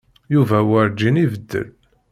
Yuba werǧin ibeddel.